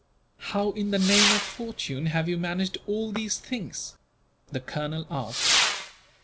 "How in the name of fortune have you managed all these things?" the colonel asked.